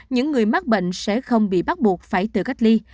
những người mắc bệnh sẽ không bị bắt buộc phải tự cách ly